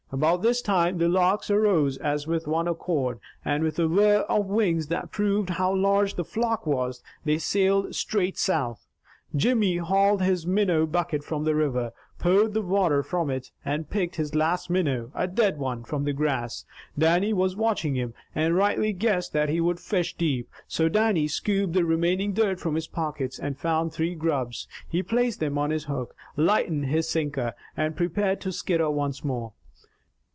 About this time the larks arose as with one accord, and with a whirr of wings that proved how large the flock was, they sailed straight south. Jimmy hauled his minnow bucket from the river, poured the water from it, and picked his last minnow, a dead one, from the grass. Dannie was watching him, and rightly guessed that he would fish deep. So Dannie scooped the remaining dirt from his pockets, and found three grubs. He placed them on his hook, lightened his sinker, and prepared to skitter once more.